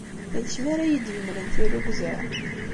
D kemm ara iyi-d-yemlen tirrugza?